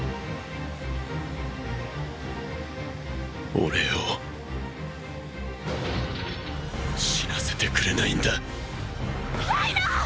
俺を死なせてくれないんだライナー！！